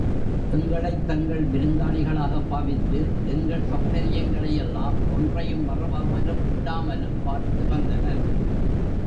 எங்களைத் தங்கள் விருந்தாளிகளாகப் பாவித்து, எங்கள் சௌகரியங்களை யெல்லாம், ஒன்றையும் மறவாமலும் விடாமலும், பார்த்து வந்தனர்.